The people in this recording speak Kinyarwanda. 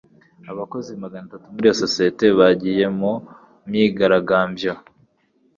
Abakozi magatatu muri iyo sosiyete bagiye mu myigaragambyo.